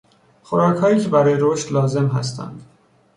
خوراکهایی که برای رشد لازم هستند